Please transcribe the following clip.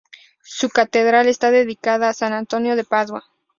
Su catedral está dedicada a San Antonio de Padua.